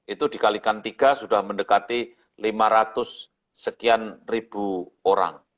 itu dikalikan tiga sudah mendekati lima ratus sekian ribu orang